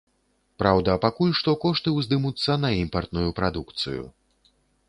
Праўда, пакуль што кошты ўздымуцца на імпартную прадукцыю.